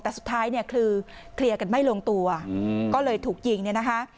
แต่สุดท้ายเนี่ยคือเคลียร์กันไม่ลงตัวก็เลยถูกยิงเนี่ยนะคะ